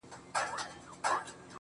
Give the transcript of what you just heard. تر پرون مي يوه کمه ده راوړې.